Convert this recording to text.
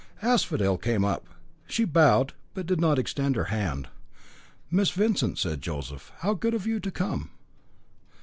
Asphodel came up. She bowed, but did not extend her hand. "Miss Vincent," said Joseph. "How good of you to come."